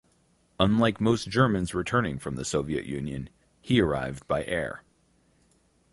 Unlike most Germans returning from the Soviet Union he arrived by air.